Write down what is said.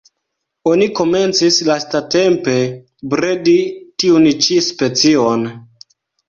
Oni komencis lastatempe bredi tiun ĉi specion.